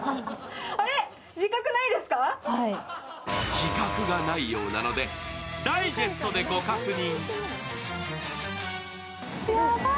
自覚がないようなので、ダイジェストでご確認。